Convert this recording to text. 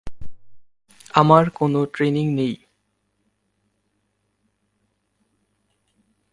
আমার কোনো ট্রেইনিং নেই।